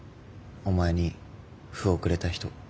お前に歩をくれた人。